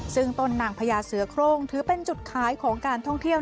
ซึ่งต้นนางพญาเสือโครงถือเป็นจุดขายของการท่องเที่ยว